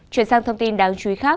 chuyển sang thông tin đáng chú ý khác